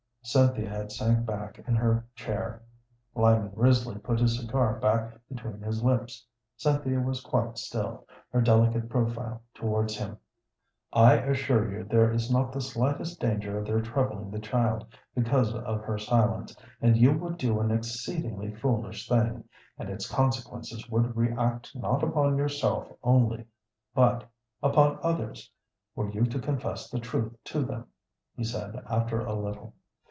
Cynthia had sank back in her chair. Lyman Risley put his cigar back between his lips; Cynthia was quite still, her delicate profile towards him. "I assure you there is not the slightest danger of their troubling the child because of her silence, and you would do an exceedingly foolish thing, and its consequences would react not upon yourself only, but upon others, were you to confess the truth to them," he said after a little.